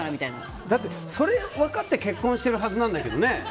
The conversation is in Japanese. それ分かって結婚してるはずなんだけどね。